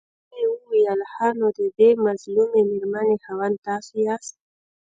هغې وويل ښه نو ددې مظلومې مېرمنې خاوند تاسو ياست.